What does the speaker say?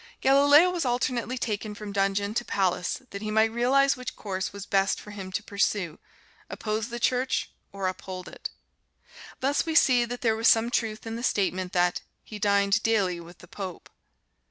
Galileo was alternately taken from dungeon to palace that he might realize which course was best for him to pursue oppose the Church or uphold it. Thus we see that there was some truth in the statement that "he dined daily with the Pope."